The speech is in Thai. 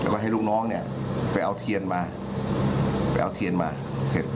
แล้วก็ให้ลูกน้องเนี่ยไปเอาเทียนมาไปเอาเทียนมาเสร็จ